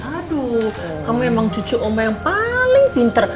aduh kamu emang cucu omah yang paling pinter